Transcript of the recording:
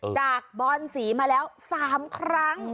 จากบอนสีมาแล้ว๓ครั้ง